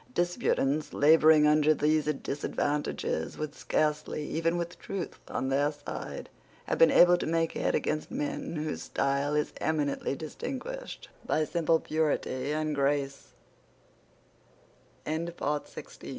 Disputants labouring under these disadvantages would scarcely, even with truth on their side, have been able to make head against men whose style is eminently distinguished by simple purity and gra